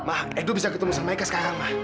ma edo bisa ketemu sama eka sekarang ma